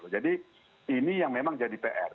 jadi ini yang memang jadi pr